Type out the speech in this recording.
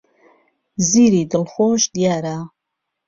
زیری دڵخۆش دیارە.